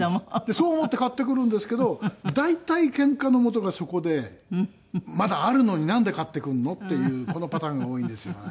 そう思って買ってくるんですけど大体けんかのもとがそこで「まだあるのになんで買ってくるの？」っていうこのパターンが多いんですよね。